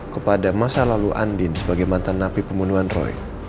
kepada masa lalu andin sebagai mantan napi pembunuhan roy